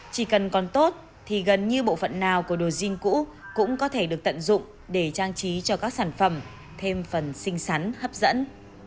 chỉ cần còn tốt thì gần như bộ phận nào của đồ jean cũ cũng có thể được tận dụng để trang trí cho các sản phẩm thêm phần xinh xắn hấp dẫn